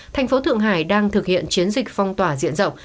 thành phố thượng hải đang thực hiện chiến dịch phong tỏa diện rộng